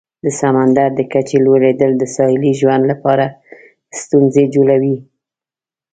د سمندر د کچې لوړیدل د ساحلي ژوند لپاره ستونزې جوړوي.